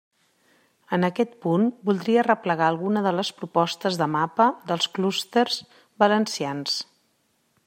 En aquest punt, voldria arreplegar alguna de les propostes de mapa dels clústers valencians.